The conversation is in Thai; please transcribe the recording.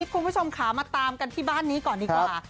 คุณผู้ชมค่ะมาตามกันที่บ้านนี้ก่อนดีกว่า